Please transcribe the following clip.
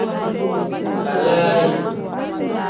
Balaayi.